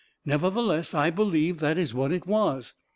Nevertheless, I believe that is what it was